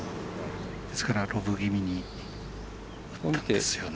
ですから、ロブ気味にいったんですよね。